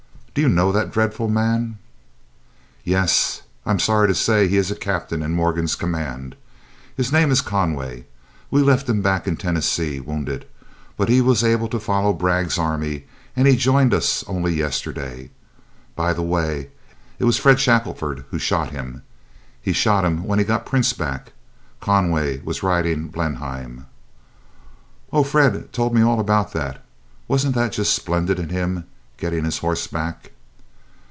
Do you know that dreadful man?" "Yes, I am sorry to say he is a captain in Morgan's command. His name is Conway. We left him back in Tennessee wounded. But he was able to follow Bragg's army, and he joined us only yesterday. By the way, it was Fred Shackelford who shot him. He shot him when he got Prince back. Conway was riding Blenheim." "Oh, Fred told me all about that. Wasn't that just splendid in him, getting his horse back!"